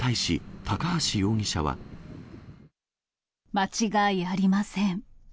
間違いありません。